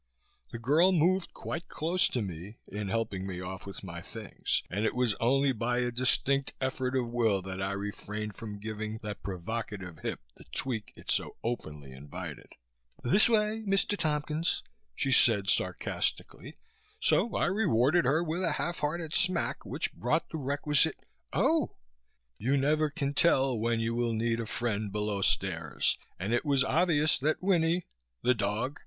The girl moved quite close to me, in helping me off with my things and it was only by a distinct effort of will that I refrained from giving that provocative hip the tweak it so openly invited. "This way, Mr. Tompkins," she said sarcastically, so I rewarded her with a half hearted smack which brought the requisite "Oh!" you never can tell when you will need a friend below stairs and it was obvious that Winnie, the dog!